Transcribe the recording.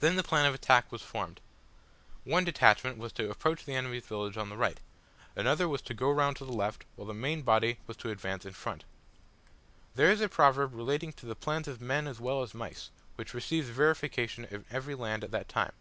Then the plan of attack was formed. One detachment was to approach the enemy's village on the right; another was to go round to the left; while the main body was to advance in front. There is a proverb relating to the plans of men as well as mice, which receives verification in every land and time.